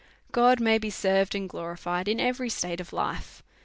God may be served and glorified in every state of life.